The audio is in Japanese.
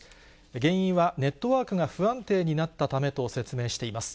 原因はネットワークが不安定になったためと説明しています。